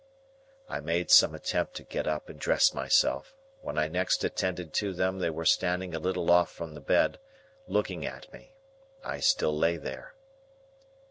I made some attempt to get up and dress myself. When I next attended to them, they were standing a little off from the bed, looking at me. I still lay there.